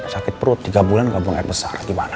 sakit perut tiga bulan gak buang air besar gimana